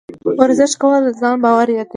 ورزش کول د ځان باور زیاتوي.